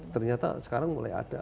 ternyata sekarang mulai ada